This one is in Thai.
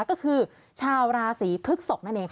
ก็คือชาวราศีพฤกษกนั่นเองค่ะ